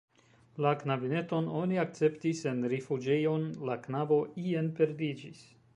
La knabineton oni akceptis en rifuĝejon, la knabo ien perdiĝis.